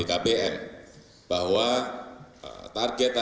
bahwa target targetnya adalah mencari investasi yang lebih besar